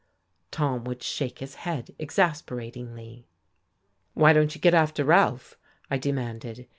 Tom would shake his head exasperatingly. "Why don't you get after Ralph?" I demanded.